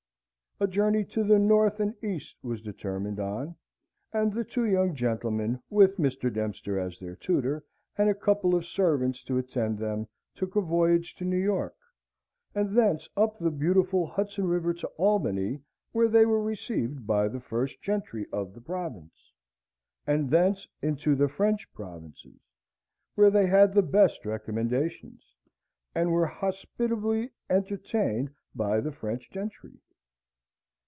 A journey to the north and east was determined on, and the two young gentlemen, with Mr. Dempster as their tutor, and a couple of servants to attend them, took a voyage to New York, and thence up the beautiful Hudson river to Albany, where they were received by the first gentry of the province, and thence into the French provinces, where they had the best recommendations, and were hospitably entertained by the French gentry.